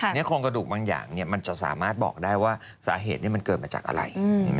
นี่โครงกระดูกบางอย่างมันจะสามารถบอกได้ว่าสาเหตุมันเกิดมาจากอะไร